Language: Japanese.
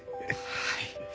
はい。